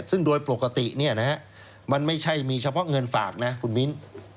ซึ่งโดยปกติมันไม่ใช่มีเฉพาะเงินฝากนะคุณมิ้น